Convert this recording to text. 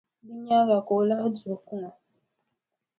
Di nyaaŋa ka o lahi duhi kuŋa.